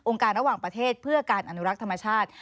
การระหว่างประเทศเพื่อการอนุรักษ์ธรรมชาติ